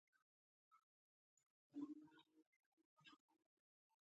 کېله د قبض ضد غذا ده.